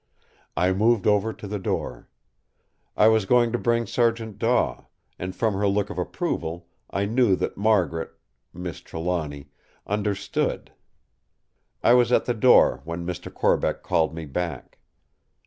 I moved over to the door. I was going to bring Sergeant Daw; and from her look of approval, I knew that Margaret—Miss Trelawny—understood. I was at the door when Mr. Corbeck called me back.